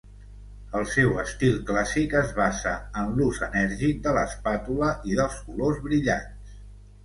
El seu estil clàssic es basa en l'ús enèrgic de l'espàtula i dels colors brillants.